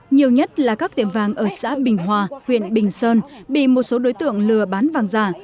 nhiều nhất là các tiệm vàng ở xã bình hòa huyện bình sơn bị một số đối tượng lừa bán vàng giả